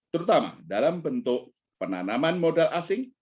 terutama dalam bentuk penanaman modal asing